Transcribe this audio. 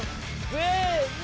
せの！